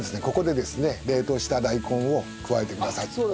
ここでですね冷凍した大根を加えてください。